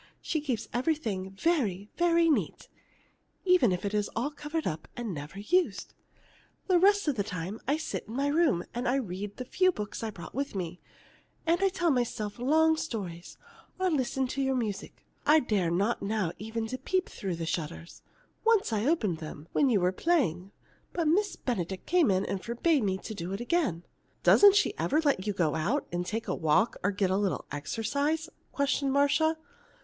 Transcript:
She keeps everything very, very neat, even if it is all covered up and never used. The rest of the time I sit in my room and read the few books I brought with me, and tell myself long stories, or listen to your music. I dare not now even peep through the shutters. Once I opened them, when you were playing, but Miss Benedict came in just then and forbade me to do it again." "Doesn't she ever let you go out and take a walk or get a little exercise?" questioned Marcia.